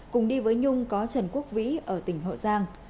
cùng đi với nhung có trần quốc vĩ ở tỉnh hậu giang